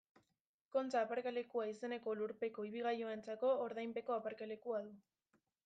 Kontxa aparkalekua izeneko lurpeko ibilgailuentzako ordainpeko aparkalekua du.